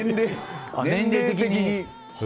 年齢的に。